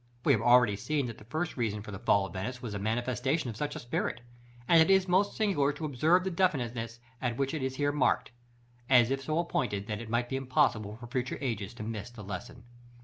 We have already seen, that the first reason for the fall of Venice was the manifestation of such a spirit; and it is most singular to observe the definiteness with which it is here marked, as if so appointed, that it might be impossible for future ages to miss the lesson.